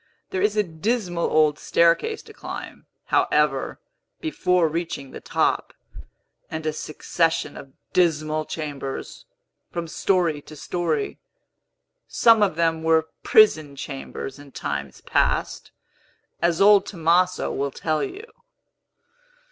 There is a dismal old staircase to climb, however, before reaching the top, and a succession of dismal chambers, from story to story. Some of them were prison chambers in times past, as old Tomaso will tell you."